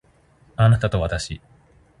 あなたとわたし